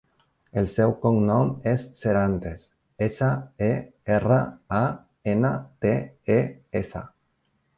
El seu cognom és Serantes: essa, e, erra, a, ena, te, e, essa.